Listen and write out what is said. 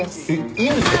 いいんですか？